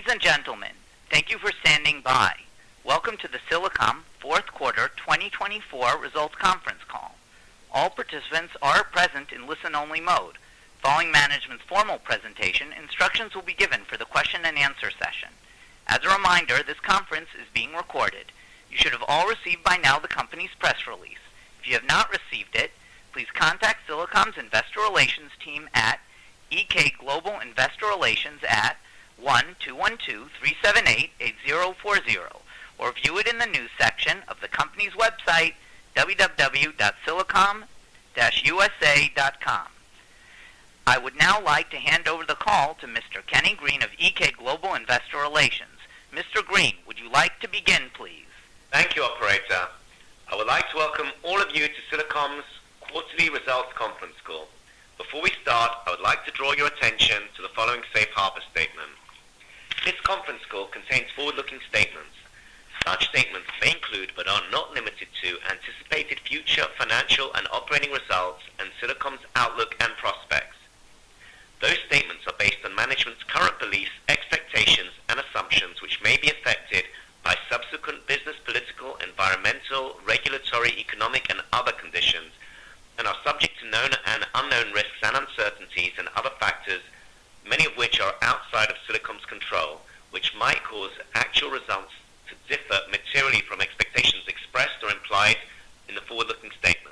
Ladies and gentlemen, thank you for standing by. Welcome to the Silicom fourth quarter 2024 results conference call. All participants are present in listen-only mode. Following management's formal presentation, instructions will be given for the question-and-answer session. As a reminder, this conference is being recorded. You should have all received by now the company's press release. If you have not received it, please contact Silicom's Investor Relations team at EK Investor Relations at 1-212-378-8040 or view it in the news section of the company's website, www.silicom-usa.com. I would now like to hand over the call to Mr. Kenny Green of EK Investor Relations. Mr. Green, would you like to begin, please? Thank you, Operator. I would like to welcome all of you to Silicom's quarterly results conference call. Before we start, I would like to draw your attention to the following Safe Harbor Statement. This conference call contains forward-looking statements. Such statements may include, but are not limited to, anticipated future financial and operating results and Silicom's outlook and prospects. Those statements are based on management's current beliefs, expectations, and assumptions which may be affected by subsequent business, political, environmental, regulatory, economic, and other conditions and are subject to known and unknown risks and uncertainties and other factors, many of which are outside of Silicom's control, which might cause actual results to differ materially from expectations expressed or implied in the forward-looking statements.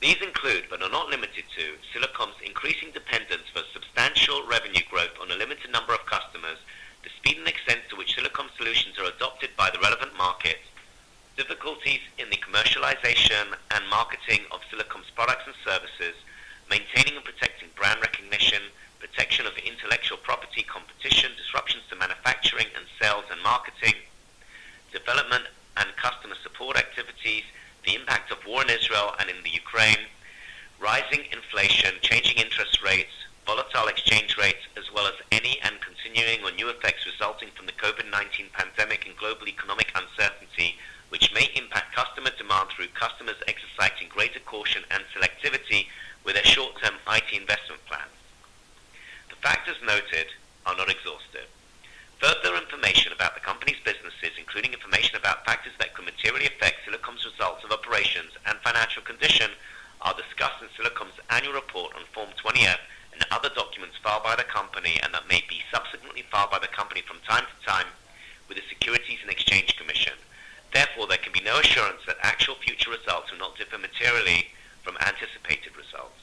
These include, but are not limited to, Silicom's increasing dependence for substantial revenue growth on a limited number of customers, the speed and extent to which Silicom solutions are adopted by the relevant markets, difficulties in the commercialization and marketing of Silicom's products and services, maintaining and protecting brand recognition, protection of intellectual property, competition, disruptions to manufacturing and sales and marketing, development and customer support activities, the impact of war in Israel and in the Ukraine, rising inflation, changing interest rates, volatile exchange rates, as well as any and continuing or new effects resulting from the COVID-19 pandemic and global economic uncertainty, which may impact customer demand through customers exercising greater caution and selectivity with their short-term IT investment plans. The factors noted are not exhaustive. Further information about the company's businesses, including information about factors that could materially affect Silicom's results of operations and financial condition, are discussed in Silicom's annual report on Form 20-F and other documents filed by the company and that may be subsequently filed by the company from time to time with the Securities and Exchange Commission. Therefore, there can be no assurance that actual future results will not differ materially from anticipated results.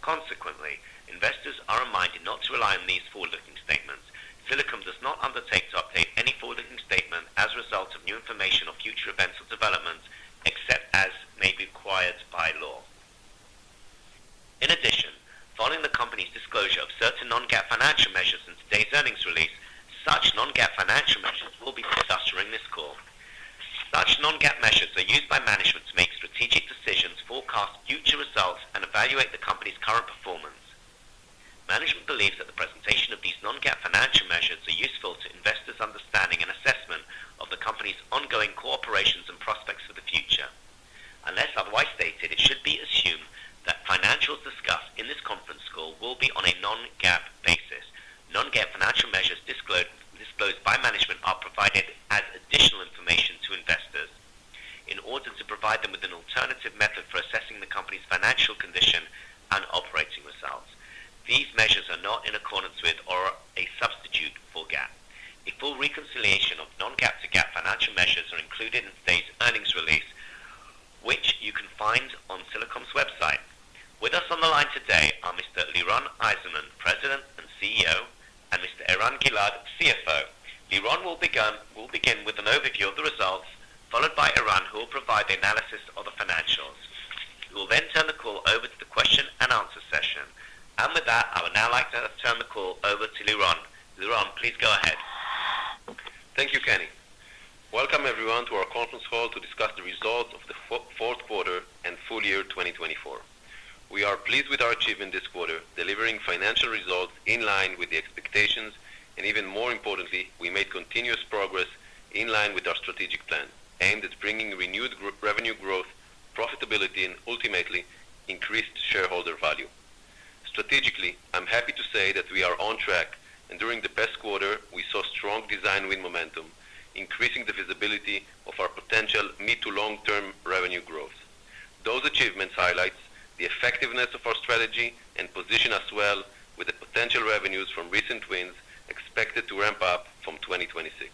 Consequently, investors are reminded not to rely on these forward-looking statements. Silicom does not undertake to update any forward-looking statement as a result of new information or future events or developments except as may be required by law. In addition, following the company's disclosure of certain non-GAAP financial measures in today's earnings release, such non-GAAP financial measures will be discussed during this call. Such non-GAAP measures are used by management to make strategic decisions, forecast future results, and evaluate the company's current performance. Management believes that the presentation of these non-GAAP financial measures is useful to investors' understanding and assessment of the company's ongoing core operations and prospects for the future. Unless otherwise stated, it should be assumed that financials discussed in this conference call will be on a non-GAAP basis. Non-GAAP financial measures disclosed by management are provided as additional information to investors in order to provide them with an alternative method for assessing the company's financial condition and operating results. These measures are not in accordance with or a substitute for GAAP. A full reconciliation of non-GAAP to GAAP financial measures is included in today's earnings release, which you can find on Silicom's website. With us on the line today are Mr. Liron Eizenman, President and CEO, and Mr. Eran Gilad, CFO. Liron will begin with an overview of the results, followed by Eran, who will provide the analysis of the financials. We will then turn the call over to the question-and-answer session. And with that, I would now like to turn the call over to Liron. Liron, please go ahead. Thank you, Kenny. Welcome everyone to our conference call to discuss the results of the fourth quarter and full year 2024. We are pleased with our achievement this quarter, delivering financial results in line with the expectations, and even more importantly, we made continuous progress in line with our strategic plan aimed at bringing renewed revenue growth, profitability, and ultimately increased shareholder value. Strategically, I'm happy to say that we are on track, and during the past quarter, we saw strong Design Win momentum, increasing the visibility of our potential mid to long-term revenue growth. Those achievements highlight the effectiveness of our strategy and position us well with the potential revenues from recent wins expected to ramp up from 2026.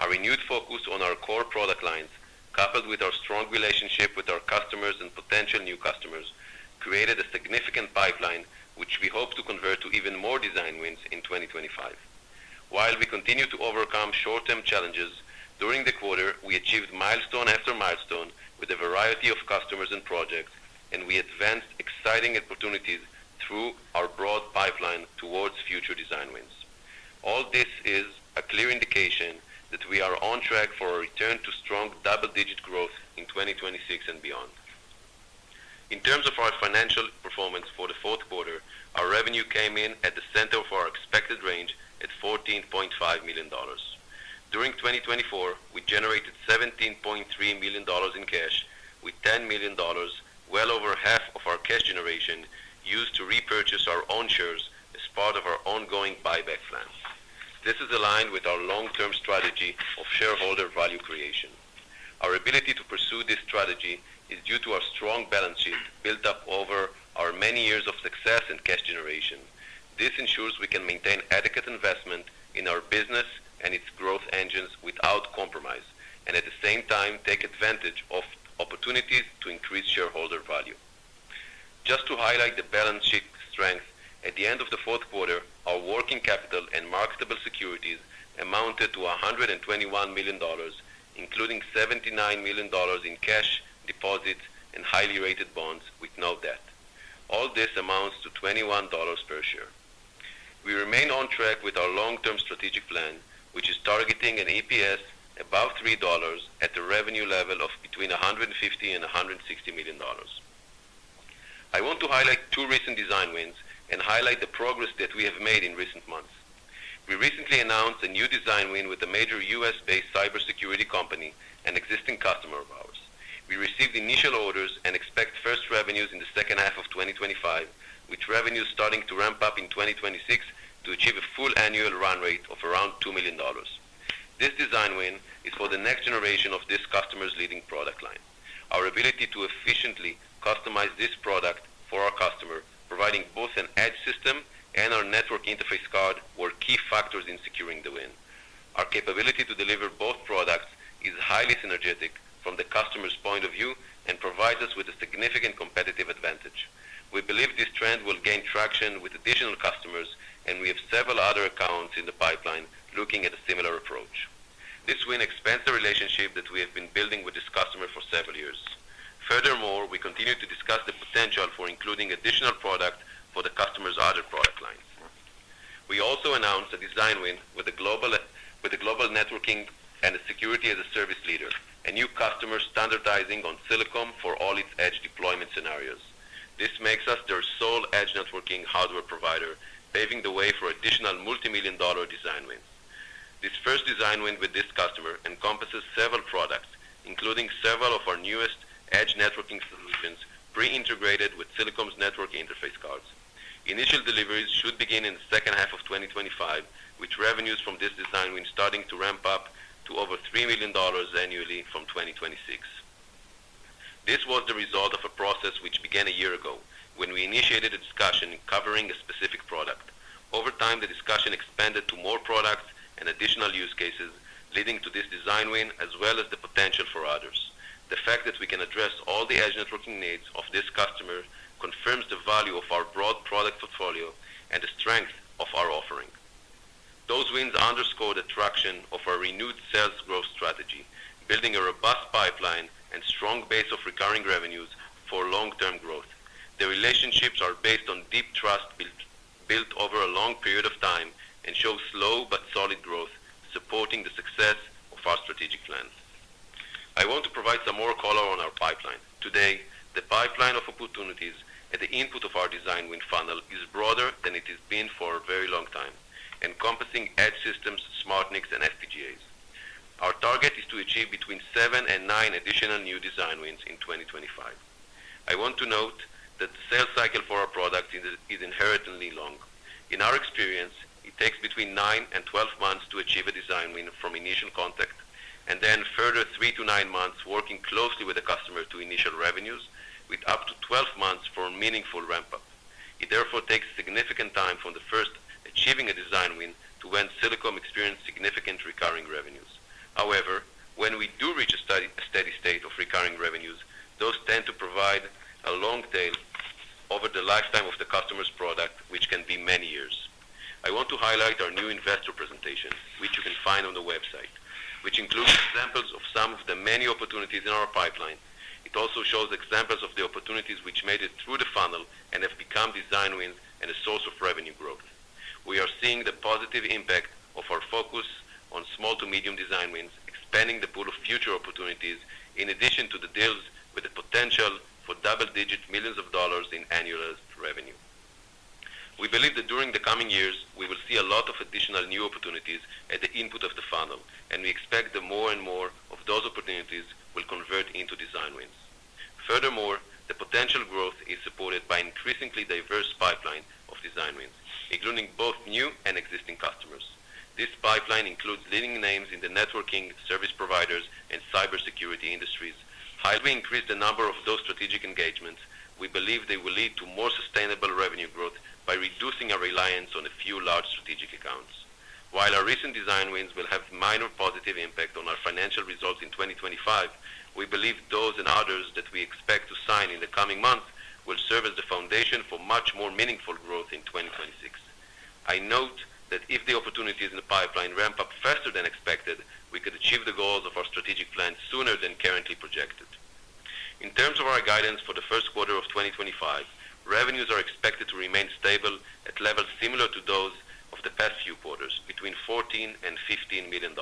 Our renewed focus on our core product lines, coupled with our strong relationship with our customers and potential new customers, created a significant pipeline which we hope to convert to even more Design Wins in 2025. While we continue to overcome short-term challenges, during the quarter, we achieved milestone after milestone with a variety of customers and projects, and we advanced exciting opportunities through our broad pipeline towards future Design Wins. All this is a clear indication that we are on track for a return to strong double-digit growth in 2026 and beyond. In terms of our financial performance for the fourth quarter, our revenue came in at the center of our expected range at $14.5 million. During 2024, we generated $17.3 million in cash, with $10 million, well over half of our cash generation, used to repurchase our own shares as part of our ongoing buyback plan. This is aligned with our long-term strategy of shareholder value creation. Our ability to pursue this strategy is due to our strong balance sheet built up over our many years of success in cash generation. This ensures we can maintain adequate investment in our business and its growth engines without compromise, and at the same time, take advantage of opportunities to increase shareholder value. Just to highlight the balance sheet strength, at the end of the fourth quarter, our working capital and marketable securities amounted to $121 million, including $79 million in cash deposits and highly rated bonds with no debt. All this amounts to $21 per share. We remain on track with our long-term strategic plan, which is targeting an EPS above $3 at a revenue level of between $150 million and $160 million. I want to highlight two recent Design Wins and highlight the progress that we have made in recent months. We recently announced a new Design Win with a major U.S.-based cybersecurity company and existing customer of ours. We received initial orders and expect first revenues in the second half of 2025, with revenues starting to ramp up in 2026 to achieve a full annual run rate of around $2 million. This Design Win is for the next generation of this customer's leading product line. Our ability to efficiently customize this product and additional use cases, leading to this Design Win as well as the potential for others. The fact that we can address all the edge networking needs of this customer confirms the value of our broad product portfolio and the strength of our offering. Those wins underscore the traction of our renewed sales growth strategy, building a robust pipeline and strong base of recurring revenues for long-term growth. The relationships are based on deep trust built over a long period of time and show slow but solid growth, supporting the success of our strategic plans. I want to provide some more color on our pipeline. Today, the pipeline of opportunities at the input of our Design Win funnel is broader than it has been for a very long time, encompassing Edge systems, SmartNICs, and FPGAs. Our target is to achieve between seven and nine additional new Design Wins in 2025. I want to note that the sales cycle for our product is inherently long. In our experience, it takes between nine and 12 months to achieve a Design Win from initial contact, and then further three to nine months working closely with the customer to initial revenues, with up to 12 months for a meaningful ramp-up. It therefore takes significant time from the first achieving a Design Win to when Silicom experiences significant recurring revenues. However, when we do reach a steady state of recurring revenues, those tend to provide a long tail over the lifetime of the customer's product, which can be many years. I want to highlight our new investor presentation, which you can find on the website, which includes examples of some of the many opportunities in our pipeline. It also shows examples of the opportunities which made it through the funnel and have become Design Wins and a source of revenue growth. We are seeing the positive impact of our focus on small to medium Design Wins, expanding the pool of future opportunities in addition to the deals with the potential for double-digit millions of dollars in annualized revenue. We believe that during the coming years, we will see a lot of additional new opportunities at the input of the funnel, and we expect that more and more of those opportunities will convert into Design Wins. Furthermore, the potential growth is supported by an increasingly diverse pipeline of Design Wins, including both new and existing customers. This pipeline includes leading names in the networking, service providers, and cybersecurity industries. As we increase the number of those strategic engagements, we believe they will lead to more sustainable revenue growth by reducing our reliance on a few large strategic accounts. While our recent Design Wins will have a minor positive impact on our financial results in 2025, we believe those and others that we expect to sign in the coming months will serve as the foundation for much more meaningful growth in 2026. I note that if the opportunities in the pipeline ramp up faster than expected, we could achieve the goals of our strategic plan sooner than currently projected. In terms of our guidance for the first quarter of 2025, revenues are expected to remain stable at levels similar to those of the past few quarters, between $14 million and $15 million.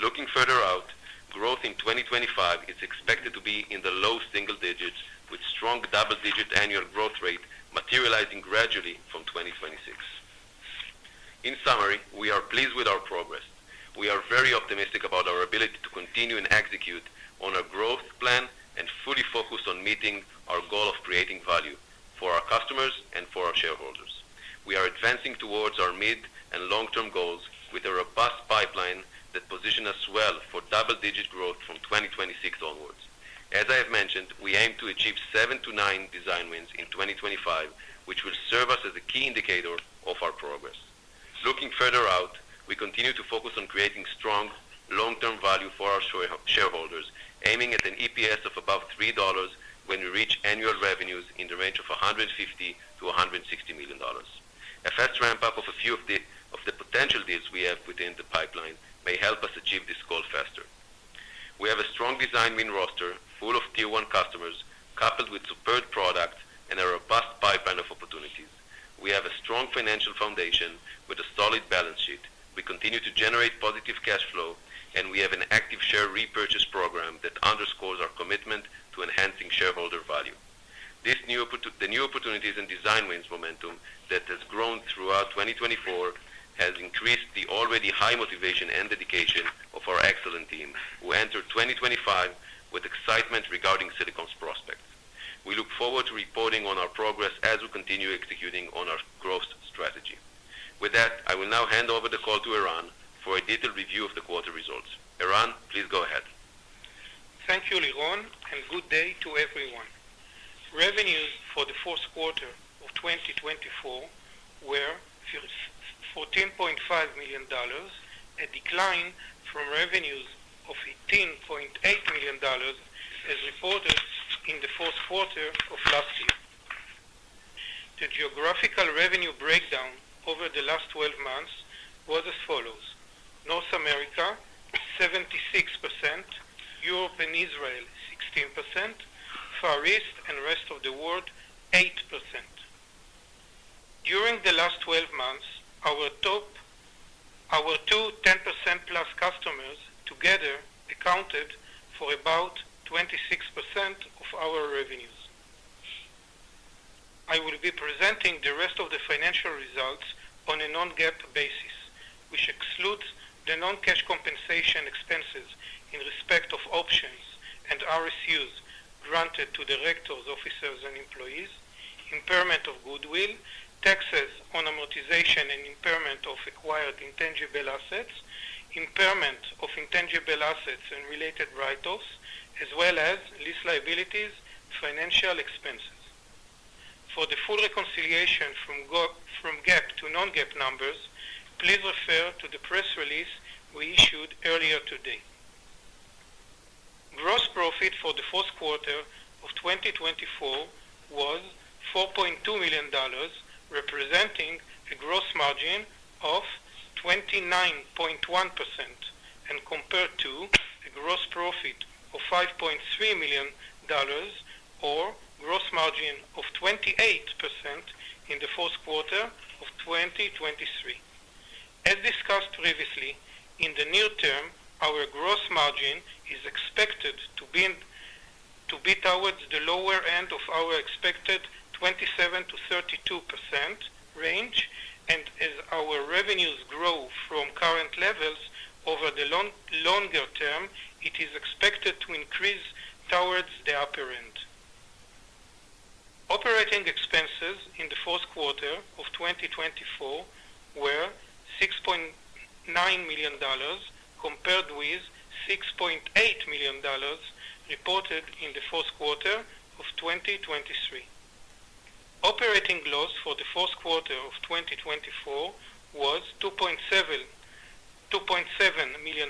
Looking further out, growth in 2025 is expected to be in the low single digits, with strong double-digit annual growth rate materializing gradually from 2026. In summary, we are pleased with our progress. We are very optimistic about our ability to continue and execute on our growth plan and fully focus on meeting our goal of creating value for our customers and for our shareholders. We are advancing towards our mid and long-term goals with a robust pipeline that positions us well for double-digit growth from 2026 onwards. As I have mentioned, we aim to achieve seven to nine Design Wins in 2025, which will serve us as a key indicator of our progress. Looking further out, we continue to focus on creating strong long-term value for our shareholders, aiming at an EPS of above $3 when we reach annual revenues in the range of $150 million-$160 million. A fast ramp-up of a few of the potential deals we have within the pipeline may help us achieve this goal faster. We have a strong Design Win roster full of Tier-1 customers, coupled with superb products and a robust pipeline of opportunities. We have a strong financial foundation with a solid balance sheet. We continue to generate positive cash flow, and we have an active share repurchase program that underscores our commitment to enhancing shareholder value. The new opportunities and Design Wins momentum that has grown throughout 2024 has increased the already high motivation and dedication of our excellent team, who enter 2025 with excitement regarding Silicom's prospects. We look forward to reporting on our progress as we continue executing on our growth strategy. With that, I will now hand over the call to Eran for a detailed review of the quarter results. Eran, please go ahead. Thank you, Liron, and good day to everyone. Revenues for the fourth quarter of 2024 were $14.5 million, a decline from revenues of $18.8 million as reported in the fourth quarter of last year. The geographical revenue breakdown over the last 12 months was as follows: North America 76%, Europe and Israel 16%, Far East and rest of the world 8%. During the last 12 months, our two 10%+ customers together accounted for about 26% of our revenues. I will be presenting the rest of the financial results on a non-GAAP basis, which excludes the non-cash compensation expenses in respect of options and RSUs granted to directors, officers, and employees, impairment of goodwill, taxes on amortization, and impairment of acquired intangible assets, impairment of intangible assets and related write-offs, as well as lease liabilities, financial expenses. For the full reconciliation from GAAP to non-GAAP numbers, please refer to the press release we issued earlier today. Gross profit for the fourth quarter of 2024 was $4.2 million, representing a gross margin of 29.1% and compared to a gross profit of $5.3 million or gross margin of 28% in the fourth quarter of 2023. As discussed previously, in the near term, our gross margin is expected to be towards the lower end of our expected 27%-32% range, and as our revenues grow from current levels over the longer term, it is expected to increase towards the upper end. Operating expenses in the fourth quarter of 2024 were $6.9 million compared with $6.8 million reported in the fourth quarter of 2023. Operating loss for the fourth quarter of 2024 was $2.7 million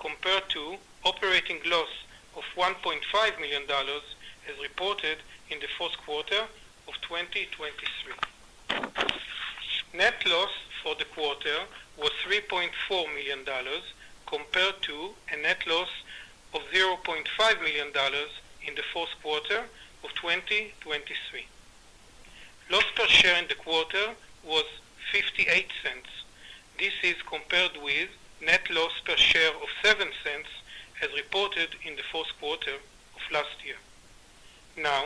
compared to operating loss of $1.5 million as reported in the fourth quarter of 2023. Net loss for the quarter was $3.4 million compared to a net loss of $0.5 million in the fourth quarter of 2023. Loss per share in the quarter was $0.58. This is compared with net loss per share of $0.07 as reported in the fourth quarter of last year. Now,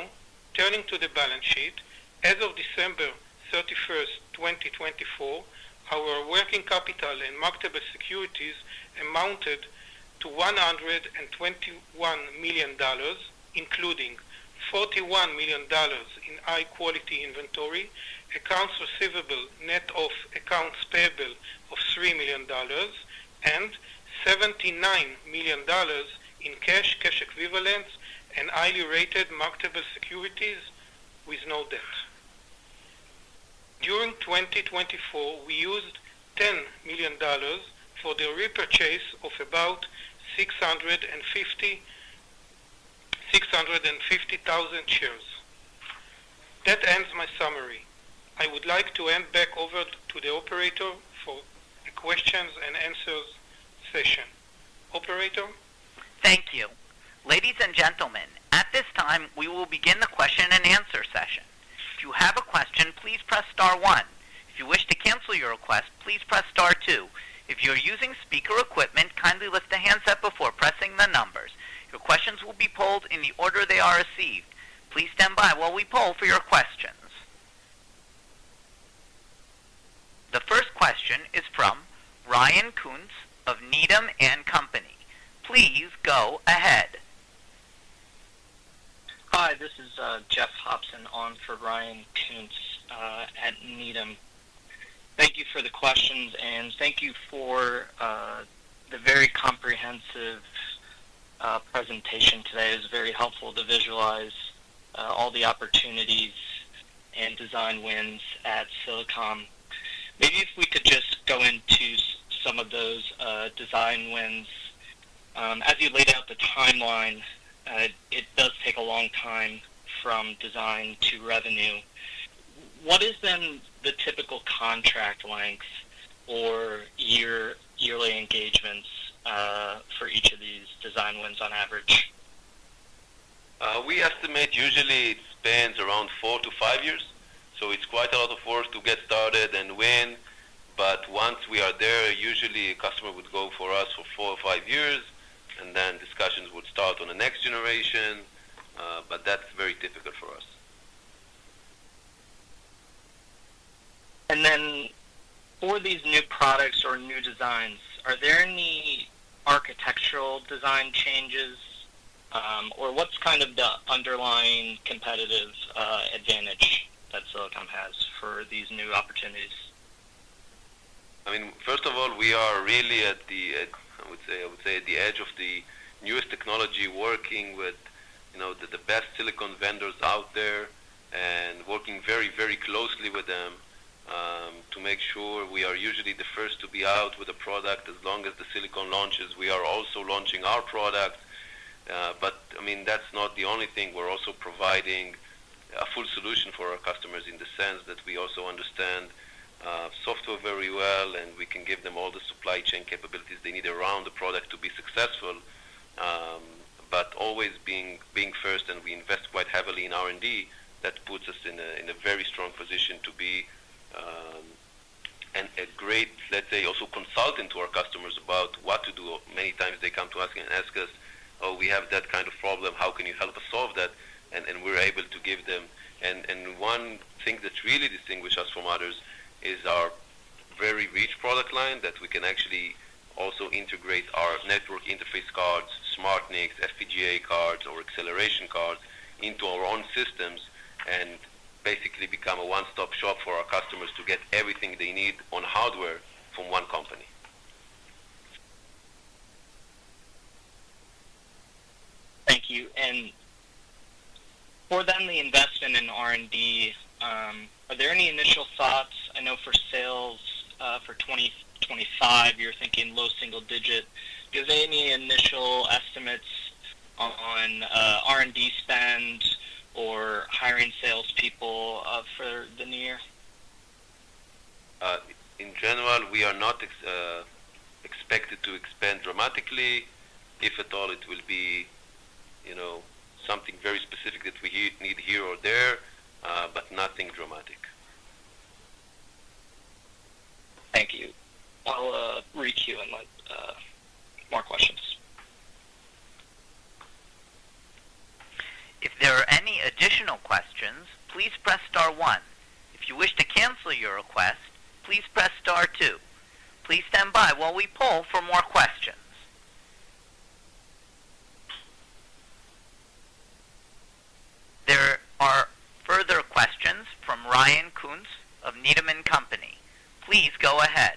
turning to the balance sheet, as of December 31st, 2024, our working capital and marketable securities amounted to $121 million, including $41 million in high-quality inventory, accounts receivable net of accounts payable of $3 million, and $79 million in cash, cash equivalents, and highly rated marketable securities with no debt. During 2024, we used $10 million for the repurchase of about 650,000 shares. That ends my summary. I would like to hand back over to the operator for a questions and answers session. Operator? Thank you. Ladies and gentlemen, at this time, we will begin the question-and-answer session. If you have a question, please press star one. If you wish to cancel your request, please press star two. If you're using speaker equipment, kindly lift the handset up before pressing the numbers. Your questions will be polled in the order they are received. Please stand by while we poll for your questions. The first question is from Ryan Koontz of Needham & Company. Please go ahead. Hi, this is Jeff Hopson on for Ryan Koontz at Needham. Thank you for the questions, and thank you for the very comprehensive presentation today. It was very helpful to visualize all the opportunities and Design Wins at Silicom. Maybe if we could just go into some of those Design Wins. As you laid out the timeline, it does take a long time from design to revenue. What is then the typical contract length or yearly engagements for each of these Design Wins on average? We estimate usually it spans around four to five years. So it's quite a lot of work to get started and win. But once we are there, usually a customer would go for us for four or five years, and then discussions would start on the next generation. But that's very typical for us. And then for these new products or new designs, are there any architectural design changes, or what's kind of the underlying competitive advantage that Silicom has for these new opportunities? I mean, first of all, we are really at the, I would say, at the edge of the newest technology, working with the best silicon vendors out there and working very, very closely with them to make sure we are usually the first to be out with a product. As soon as the silicon launches, we are also launching our product. But I mean, that's not the only thing. We're also providing a full solution for our customers in the sense that we also understand software very well, and we can give them all the supply chain capabilities they need around the product to be successful. But always being first, and we invest quite heavily in R&D. That puts us in a very strong position to be a great, let's say, also consultant to our customers about what to do. Many times they come to us and ask us, "Oh, we have that kind of problem. How can you help us solve that?" And we're able to give them. And one thing that really distinguishes us from others is our very rich product line that we can actually also integrate our network interface cards, SmartNICs, FPGA cards, or Acceleration cards into our own systems and basically become a one-stop shop for our customers to get everything they need on hardware from one company. Thank you. And for them, the investment in R&D, are there any initial thoughts? I know for sales for 2025, you're thinking low single digit. Do they have any initial estimates on R&D spend or hiring salespeople for the new year? In general, we are not expected to expand dramatically. If at all, it will be something very specific that we need here or there, but nothing dramatic. Thank you. I'll read to you more questions. If there are any additional questions, please press star one. If you wish to cancel your request, please press star two. Please stand by while we poll for more questions. There are further questions from Ryan Koontz of Needham & Company. Please go ahead.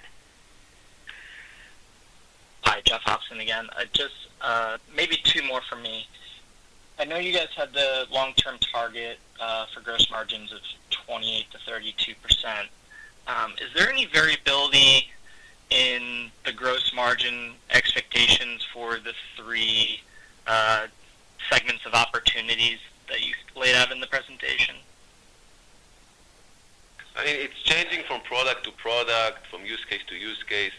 Hi, Jeff Hopson again. Just maybe two more from me. I know you guys had the long-term target for gross margins of 28%-32%. Is there any variability in the gross margin expectations for the three segments of opportunities that you laid out in the presentation? I mean, it's changing from product to product, from use case to use case.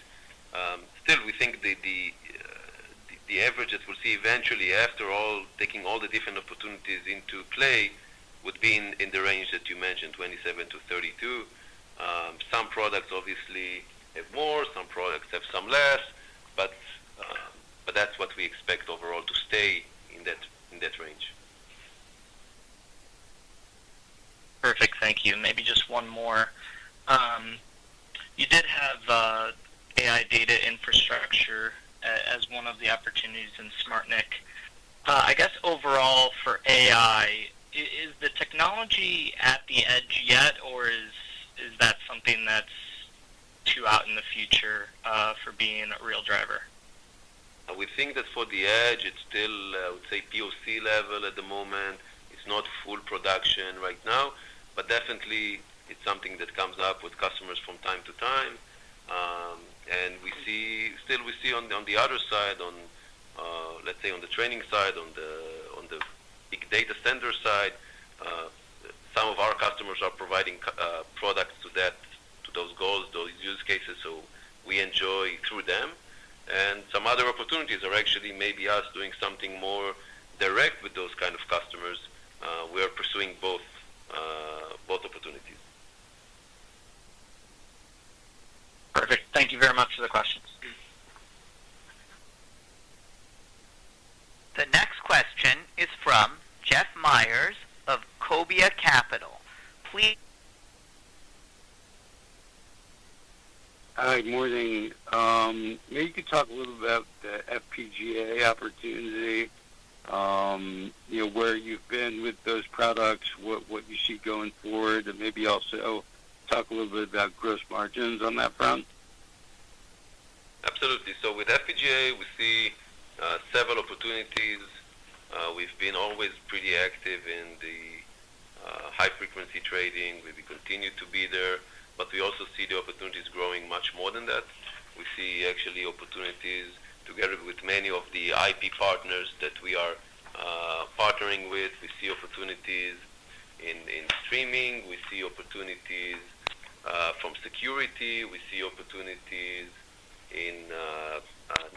Still, we think the average that we'll see eventually, after all, taking all the different opportunities into play, would be in the range that you mentioned, 27 to 32. Some products obviously have more. Some products have some less. But that's what we expect overall to stay in that range. Perfect. Thank you. Maybe just one more. You did have AI data infrastructure as one of the opportunities in SmartNIC. I guess overall for AI, is the technology at the edge yet, or is that something that's too out in the future for being a real driver? We think that for the edge, it's still, I would say, POC level at the moment. It's not full production right now, but definitely it's something that comes up with customers from time to time. And still, we see on the other side, let's say on the training side, on the big data center side, some of our customers are providing products to, those gold, those use cases so we enjoy through them. And some other opportunities are actually maybe us doing something more direct with those kind of customers. We are pursuing both opportunities. Perfect. Thank you very much for the questions. The next question is from Jeff Meyers of Cobia Capital. Please. Hi, morning. Maybe you could talk a little about the FPGA opportunity, where you've been with those products, what you see going forward, and maybe also talk a little bit about gross margins on that front. Absolutely. So with FPGA, we see several opportunities. We've been always pretty active in the high-frequency trading. We continue to be there. But we also see the opportunities growing much more than that. We see actually opportunities together with many of the IP partners that we are partnering with. We see opportunities in streaming. We see opportunities from security. We see opportunities in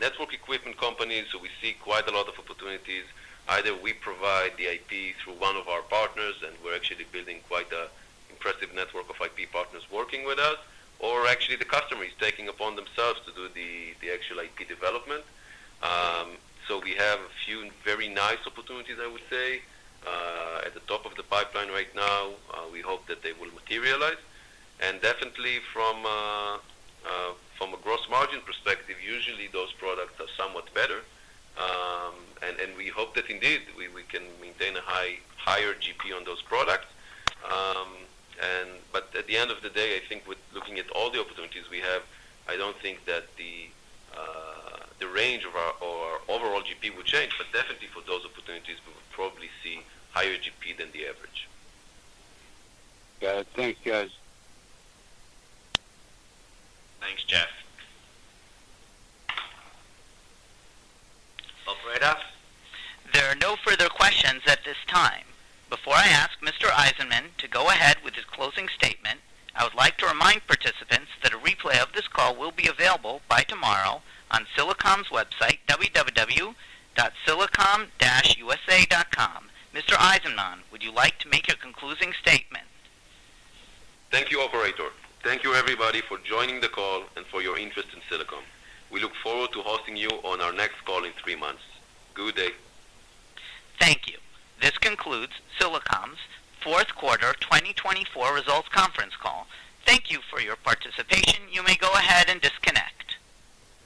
network equipment companies. So we see quite a lot of opportunities. Either we provide the IP through one of our partners, and we're actually building quite an impressive network of IP partners working with us, or actually the customer is taking upon themselves to do the actual IP development. So we have a few very nice opportunities, I would say, at the top of the pipeline right now. We hope that they will materialize. And definitely from a gross margin perspective, usually those products are somewhat better. And we hope that indeed we can maintain a higher GP on those products. But at the end of the day, I think looking at all the opportunities we have, I don't think that the range of our overall GP will change. But definitely for those opportunities, we will probably see higher GP than the average. Got it. Thanks, guys. Thanks, Jeff. Operator? There are no further questions at this time. Before I ask Mr. Eizenman to go ahead with his closing statement, I would like to remind participants that a replay of this call will be available by tomorrow on Silicom's website, www.silicom-usa.com. Mr. Eizenman, would you like to make your concluding statement? Thank you, Operator. Thank you, everybody, for joining the call and for your interest in Silicom. We look forward to hosting you on our next call in three months. Good day. Thank you. This concludes Silicom's fourth quarter 2024 results conference call. Thank you for your participation. You may go ahead and disconnect.